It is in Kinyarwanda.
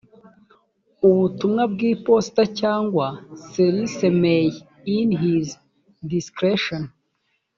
ubutumwa bw iposita cyangwa ser isi may in his discretion